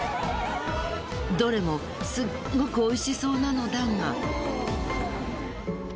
どれもすっごくおいしそうなのだが。